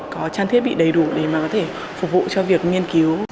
có trang thiết bị đầy đủ để mà có thể phục vụ cho việc nghiên cứu